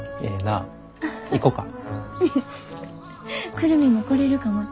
久留美も来れるかもって。